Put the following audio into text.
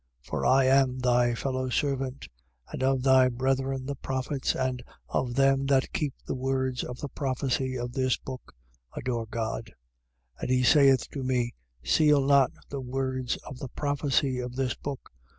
For I am thy fellow servant, and of thy brethren the prophets and of them that keep the words of the prophecy of this book. Adore God. 22:10. And he saith to me: Seal not the words of the prophecy of this book.